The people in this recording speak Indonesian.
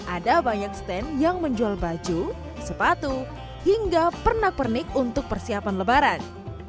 ada banyak stand yang menjual baju sepatu hingga pernak pernik untuk persiapan lebaran